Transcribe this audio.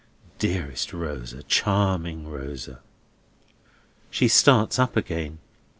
Dearest Rosa! Charming Rosa!" She starts up again.